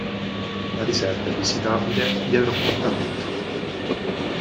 La riserva è visitabile dietro appuntamento.